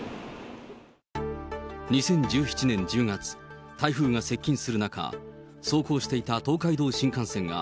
２０１７年１０月、台風が接近する中、走行していた東海道新幹線が、